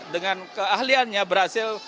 dengan keahliannya berhasil